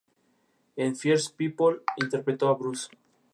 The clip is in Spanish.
Es una de las ciudades económicamente más desfavorecidas en el Reino Unido.